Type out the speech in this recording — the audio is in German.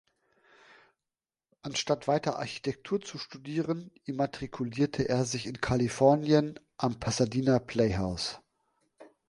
Anstatt weiter Architektur zu studieren, immatrikulierte er sich in Kalifornien am Pasadena Playhouse.